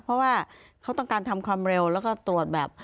เพราะว่าเขาต้องการทำความเร็วแล้วก็ตรวจแบบ